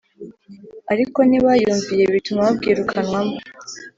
ariko ntibayumviye, bituma babwirukanwamo.